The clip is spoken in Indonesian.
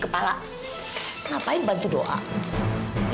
presiden ibu saat ini